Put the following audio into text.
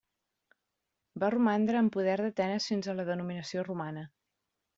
Va romandre en poder d'Atenes fins a la dominació romana.